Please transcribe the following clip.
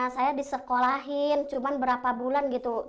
saya disekolahin cuma berapa bulan gitu